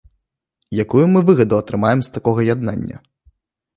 Якую мы выгаду атрымаем з такога яднання?